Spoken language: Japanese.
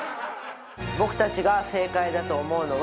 僕たちが正解だと思うのは。